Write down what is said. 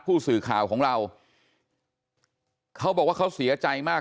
ผู้สื่อข่าวของเราเขาบอกว่าเขาเสียใจมาก